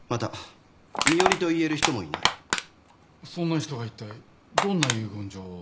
そんな人がいったいどんな遺言状を？